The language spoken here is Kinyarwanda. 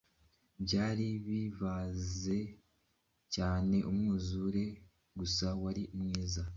Byari bivanze cyaneumwuzure gusa wari mwiza